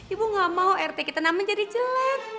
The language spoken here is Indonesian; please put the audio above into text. ibu gak mau rt kita nama jadi jelek